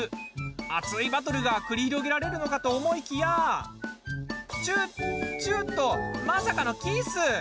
熱いバトルが繰り広げられるのかと思いきやチュッチュッとまさかのキス？